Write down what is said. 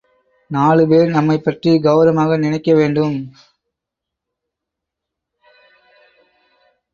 நாலுபேர் நம்மைப்பற்றி கெளரவமாக நினைக்க வேண்டும்.